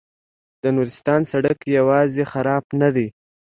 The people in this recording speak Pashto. د نورستان سړک یوازې خراب نه دی.